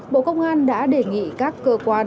bộ công an đã đề kết nối các bộ ngành địa phương